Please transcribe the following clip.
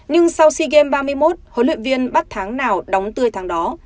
nhưng sau sea games ba mươi một huấn luyện viên bắt tháng nào đóng tươi tháng đó